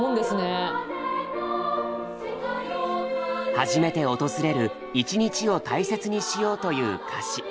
初めて訪れる「いちにち」を大切にしようという歌詞。